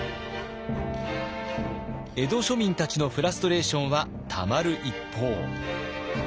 江戸庶民たちのフラストレーションはたまる一方。